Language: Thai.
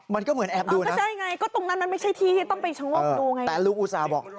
มันก็เหมือนแอบดูนะแต่ลุงอุศาบอก